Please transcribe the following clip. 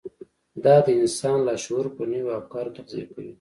دا د انسان لاشعور په نويو افکارو تغذيه کوي.